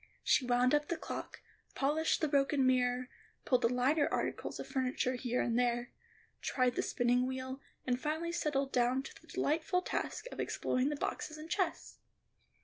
She wound up the clock, polished up the broken mirror, pulled the lighter articles of furniture here and there, tried the spinning wheel, and finally settled down to the delightful task of exploring the boxes and chests.